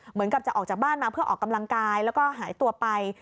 เหมือนกับจะออกจากบ้านมาเพื่อออกกำลังกายแล้วก็หายตัวไป